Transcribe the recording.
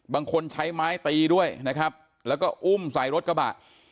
บางคนใช้ไม้ตีด้วยนะครับแล้วก็อุ้มใส่รถกระบะ